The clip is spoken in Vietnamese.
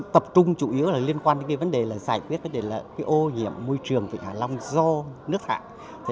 tập trung chủ yếu liên quan đến vấn đề giải quyết vấn đề ô nhiễm môi trường vịnh hà long do nước thải